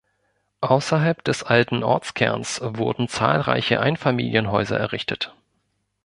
Außerhalb des alten Ortskerns wurden zahlreiche Einfamilienhäuser errichtet.